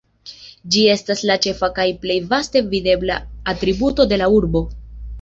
Ĝi estas la ĉefa kaj plej vaste videbla atributo de la urbo.